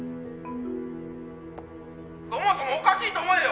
そもそもおかしいと思えよ！